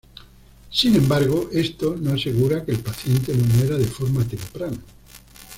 Sin embargo, esto no asegura que el paciente no muera de forma temprana.